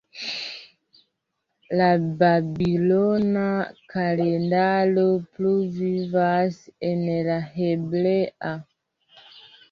La babilona kalendaro pluvivas en la hebrea.